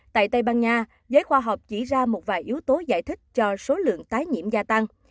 tại tây ban nha giới khoa học chỉ ra một vài yếu tố giải thích cho số lượng tái nhiễm gia tăng